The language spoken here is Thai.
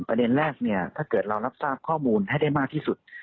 ประเด็นแรกเนี่ยถ้าเกิดเรารับทราบข้อมูลให้ได้มากที่สุด